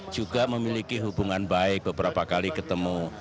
juga memiliki hubungan baik beberapa kali ketemu